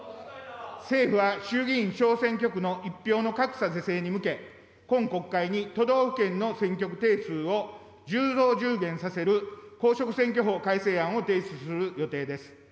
政府は衆議院小選挙区の１票の格差是正に向け、今国会に都道府県の選挙区定数を１０増１０減させる公職選挙法改正案を提出する予定です。